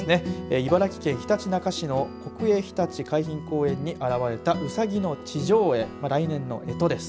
茨城県ひたちなか市の国営ひたち海浜公園に現れたうさぎの地上絵来年のえとです。